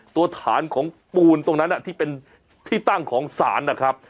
ตัวฐานของปูนตรงนั้นที่เป็นที่ตั้งของศาลนะครับ